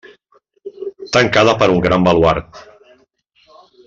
Tancada per un gran baluard.